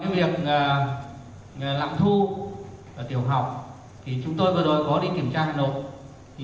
việc lạm thu tiểu học chúng tôi vừa đó có đi kiểm tra hà nội